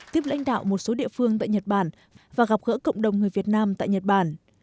tiếp lãnh đạo một số địa phương tại nhật bản và gặp gỡ cộng đồng người việt nam tại nhật bản